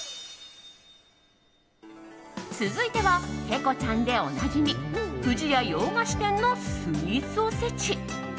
続いてはペコちゃんでおなじみ不二家洋菓子店のスイーツおせち。